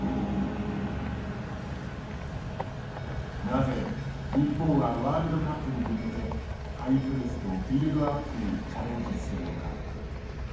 なぜ日本はワールドカップに向けてハイプレスとビルドアップにチャレンジするのか。